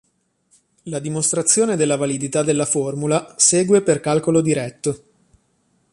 La dimostrazione della validità della formula segue per calcolo diretto.